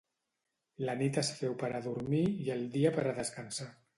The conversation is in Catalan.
La nit es feu per a dormir i el dia per a descansar.